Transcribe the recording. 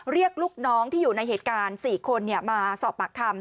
ลูกน้องที่อยู่ในเหตุการณ์๔คนมาสอบปากคำ